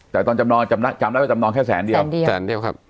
แต่ตอนจำนอนจำรับว่าจำนอนแค่แสนเดียว